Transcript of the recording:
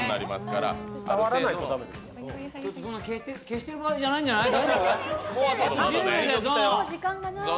消してる場合じゃないんじゃない？